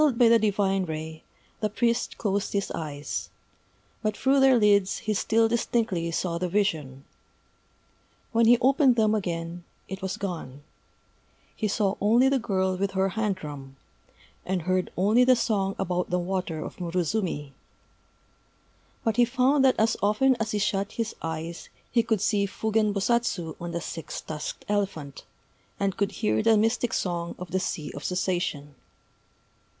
_ Dazzled by the divine ray, the priest closed his eyes: but through their lids he still distinctly saw the vision. When he opened them again, it was gone: he saw only the girl with her hand drum, and heard only the song about the water of Murozumi. But he found that as often as he shut his eyes he could see Fugen Bosatsu on the six tusked elephant, and could hear the mystic Song of the Sea of Cessation.